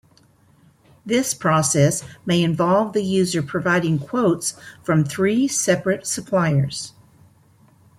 This process may involve the user providing quotes from three separate suppliers.